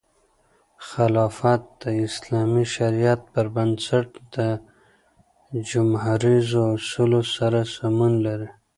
خلافت د اسلامي شریعت پر بنسټ د جموهریزو اصولو سره سمون لري.